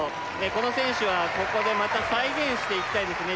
この選手はここでまた再現していきたいですね